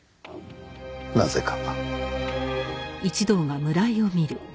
なぜか。